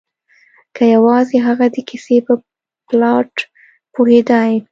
که یوازې هغه د کیسې په پلاټ پوهیدای